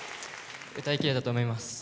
歌いきれたと思います。